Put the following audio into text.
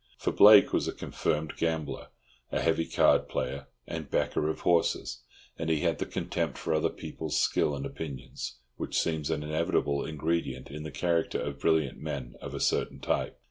For Blake was a confirmed gambler, a heavy card player and backer of horses, and he had the contempt for other people's skill and opinions which seems an inevitable ingredient in the character of brilliant men of a certain type.